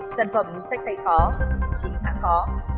sản phẩm sách tay có chính hãng có